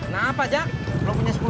ya udah gua pois deh